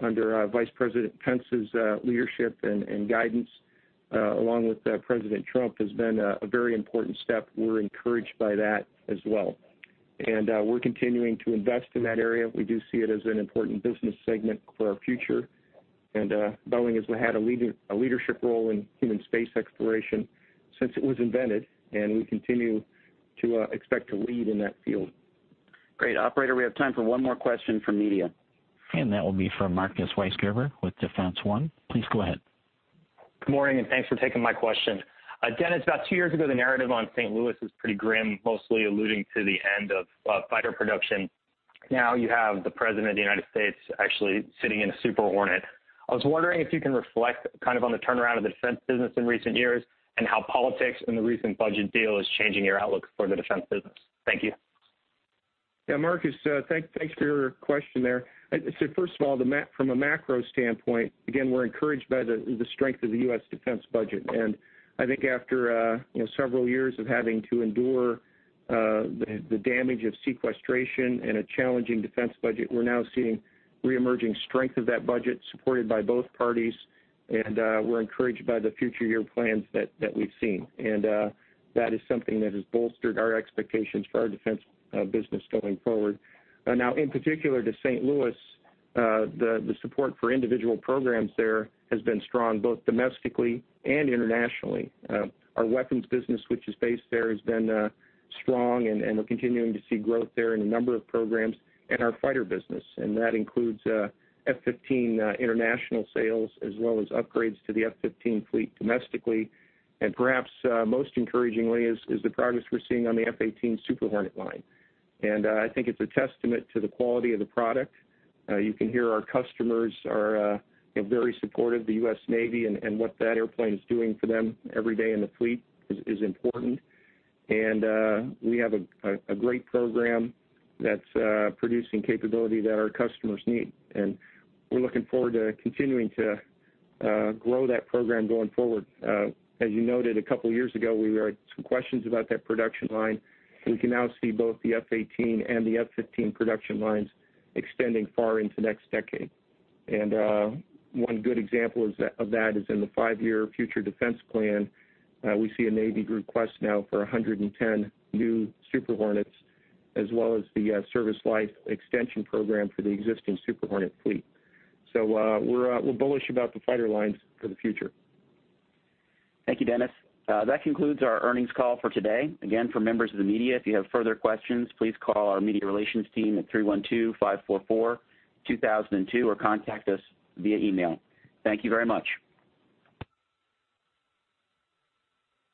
under Vice President Pence's leadership and guidance, along with President Trump, has been a very important step. We're encouraged by that as well. We're continuing to invest in that area. We do see it as an important business segment for our future. Boeing has had a leadership role in human space exploration since it was invented, and we continue to expect to lead in that field. Great. Operator, we have time for one more question from media. That will be from Marcus Weisgerber with Defense One. Please go ahead. Good morning, and thanks for taking my question. Dennis, about two years ago, the narrative on St. Louis was pretty grim, mostly alluding to the end of fighter production. Now you have the President of the U.S. actually sitting in a Super Hornet. I was wondering if you can reflect on the turnaround of the defense business in recent years, and how politics and the recent budget deal is changing your outlook for the defense business. Thank you. Marcus, thanks for your question there. First of all, from a macro standpoint, again, we're encouraged by the strength of the U.S. defense budget. I think after several years of having to endure the damage of sequestration and a challenging defense budget, we're now seeing reemerging strength of that budget, supported by both parties, and we're encouraged by the future year plans that we've seen. That is something that has bolstered our expectations for our defense business going forward. In particular to St. Louis, the support for individual programs there has been strong, both domestically and internationally. Our weapons business, which is based there, has been strong, and we're continuing to see growth there in a number of programs in our fighter business. That includes F-15 international sales, as well as upgrades to the F-15 fleet domestically. Perhaps most encouragingly is the progress we're seeing on the F-18 Super Hornet line. I think it's a testament to the quality of the product. You can hear our customers are very supportive, the U.S. Navy, and what that airplane is doing for them every day in the fleet is important. We have a great program that's producing capability that our customers need. We're looking forward to continuing to grow that program going forward. As you noted, a couple of years ago, we had some questions about that production line. We can now see both the F-18 and the F-15 production lines extending far into next decade. One good example of that is in the five-year future defense plan, we see a Navy request now for 110 new Super Hornets, as well as the service life extension program for the existing Super Hornet fleet. We're bullish about the fighter lines for the future. Thank you, Dennis. That concludes our earnings call for today. Again, for members of the media, if you have further questions, please call our media relations team at 312-544-2002 or contact us via email. Thank you very much.